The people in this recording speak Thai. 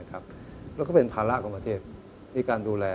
แล้วก็เป็นภาระกว่าประเทศที่การดูแล